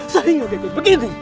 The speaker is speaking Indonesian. saya ingatnya begitu begini